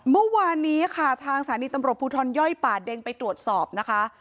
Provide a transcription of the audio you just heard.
เมื่อวานนี้ค่ะทางสถานีตำรวจภูทรย่อยป่าเด็งไปตรวจสอบนะคะ